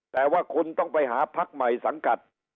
แต่ว่าคุณต้องไปหาพักใหม่สังกัด